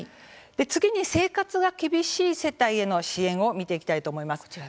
次に、生活が厳しい世帯への支援を見ていきたいと思います。